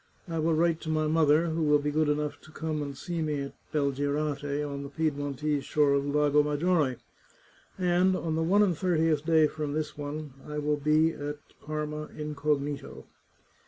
I will write to my mother, who will be good enough to come and see me at Belgirate, on the Piedmontese shore of the Lago Maggiore, and on the one and thirtieth day from this one I will be at Parma incognito."